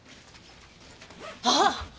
あっ！